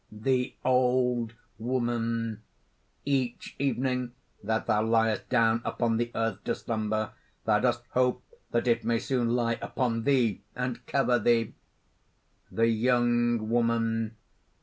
THE OLD WOMAN. "Each evening that thou liest down upon the earth to slumber, thou dost hope that it may soon lie upon thee and cover thee." THE YOUNG WOMAN.